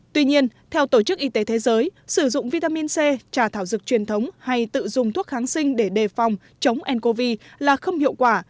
tuy nhiên theo tổ chức y tế thế giới sử dụng vitamin c trà thảo dược truyền thống hay tự dùng thuốc kháng sinh để đề phòng chống ncov là không hiệu quả